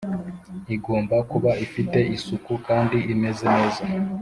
igomba kuba ifite isuku kandi imeze neza